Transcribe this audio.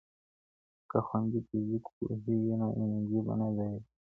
که خویندې فزیک پوهې وي نو انرژي به نه ضایع کیږي.